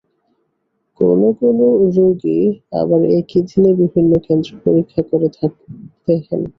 কোনো কোনো রোগী আবার একই দিনে বিভিন্ন কেন্দ্রে পরীক্ষা করে দেখেন।